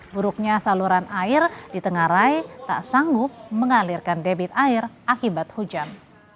buruknya saluran air di tengah rai tak sanggup mengalirkan debit air akibat hujan